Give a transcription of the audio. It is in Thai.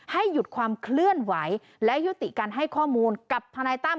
ให้หยุดความเคลื่อนไหวและยุติการให้ข้อมูลกับทนายตั้ม